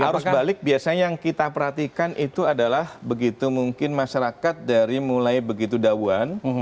arus balik biasanya yang kita perhatikan itu adalah begitu mungkin masyarakat dari mulai begitu dauan